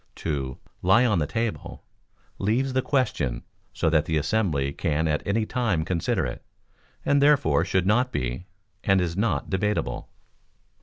To "Lie on the Table" leaves the question so that the assembly can at any time consider it, and therefore should not be, and is not debatable.